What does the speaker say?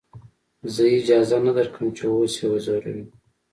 زه اجازه نه درکم چې اوس يې وځورې.